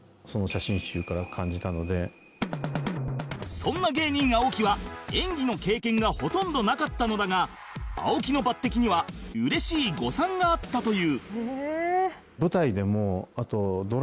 そんな芸人青木は演技の経験がほとんどなかったのだが青木の抜擢には嬉しい誤算があったという